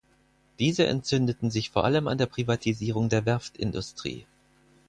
Diese entzündeten sich vor allem an der Privatisierung der Werftindustrie.